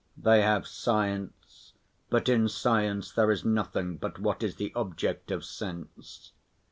They have science; but in science there is nothing but what is the object of sense.